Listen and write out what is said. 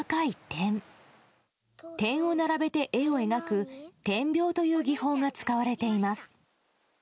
点を並べて絵を描く点描という技法が使われています。